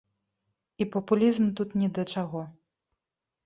І папулізм тут ні да чаго.